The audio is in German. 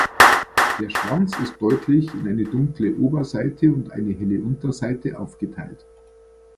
Der Schwanz ist deutlich in eine dunkle Oberseite und eine helle Unterseite aufgeteilt.